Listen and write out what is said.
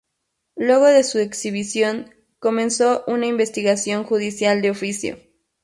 Luego de su exhibición, comenzó una investigación judicial de oficio.